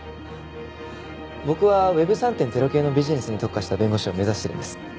僕はＷｅｂ３．０系のビジネスに特化した弁護士を目指してるんです。